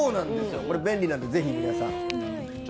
便利なので、ぜひ皆さん。